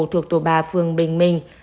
thuộc tổ ba phường bình minh